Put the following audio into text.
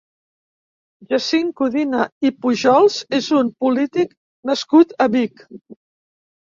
Jacint Codina i Pujols és un polític nascut a Vic.